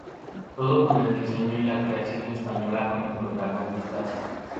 Todo con el diseño y la creación española como protagonistas.